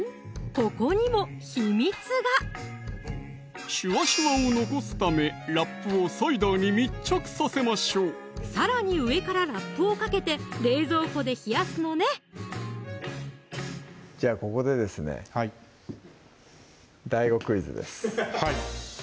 ここにも秘密がシュワシュワを残すためラップをサイダーに密着させましょうさらに上からラップをかけて冷蔵庫で冷やすのねじゃあここでですねＤＡＩＧＯクイズですはい